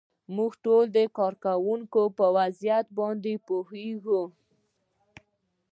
موږ ټول د کارکوونکو په وضعیت باندې پوهیږو.